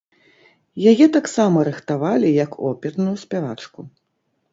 Яе таксама рыхтавалі як оперную спявачку.